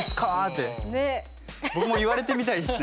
僕も言われてみたいですね。